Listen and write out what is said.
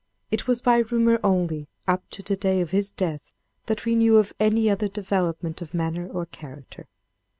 It was by rumor only, up to the day of his death, that we knew of any other development of manner or character.